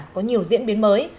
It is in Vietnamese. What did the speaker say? có nhiều diễn biến mới